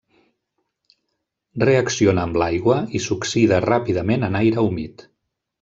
Reacciona amb l'aigua i s'oxida ràpidament en aire humit.